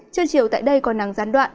trưa chiều tại đây còn nắng gián đoạn